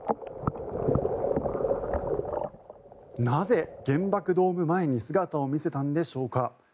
なぜ、原爆ドーム前に姿を見せたのでしょうか。